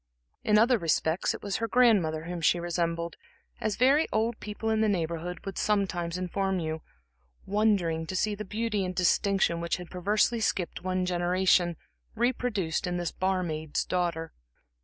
In other respects, it was her grandmother whom she resembled, as very old people in the Neighborhood would sometimes inform you, wondering to see the beauty and distinction which had perversely skipped one generation, reproduced in this bar maid's daughter.